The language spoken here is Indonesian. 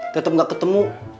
tetep gak ketemu